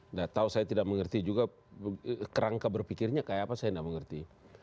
nggak tahu saya tidak mengerti juga kerangka berpikirnya kayak apa saya tidak mengerti